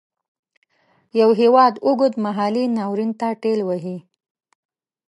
یو هیواد اوږد مهالي ناورین ته ټېل وهي.